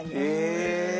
へえ。